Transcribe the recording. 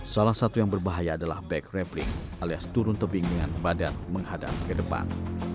salah satu yang berbahaya adalah back rapling alias turun tebing dengan badan menghadap ke depan